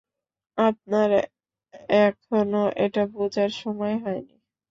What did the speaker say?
আপনার এখনো এটা বুঝার সময় হয়নি।